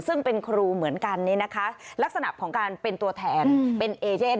ซึ่งเป็นครูเหมือนกันลักษณะของการเป็นตัวแทนเป็นเอเย่น